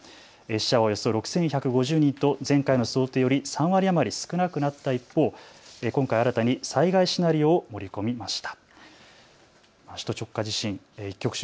死者およそ６１５０人と前回の想定より３割余り少なくなった一方、今回、新たに災害シナリオを盛り込みました。